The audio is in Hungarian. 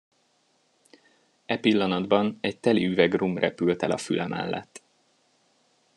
E pillanatban egy teli üveg rum repült el a füle mellett.